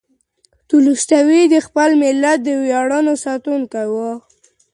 تولستوی د خپل ملت د ویاړونو ساتونکی و.